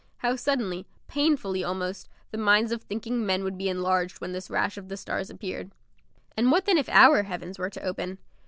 How suddenly painfully almost the minds of thinking men would be enlarged when this rash of the stars appeared. And what then if our heavens were to open?